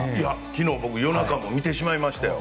昨日僕、夜中も見てしまいましたよ。